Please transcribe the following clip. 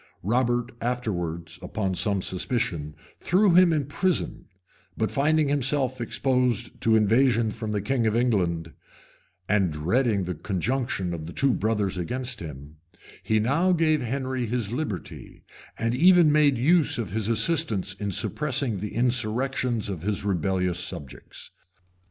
Robert afterwards, upon some suspicion, threw him into prison; but finding himself exposed to invasion from the king of England, ind dreading the conjunction of the two brothers against him, he now gave Henry his liberty, and even made use of his assistance in suppressing the insurrections of his rebellious subjects.